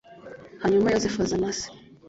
hanyuma yozefu azana se